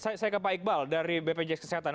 saya ke pak iqbal dari bpjs kesehatan